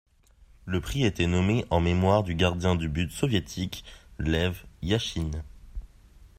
Le prix était nommé en mémoire du gardien de but soviétique Lev Yachine.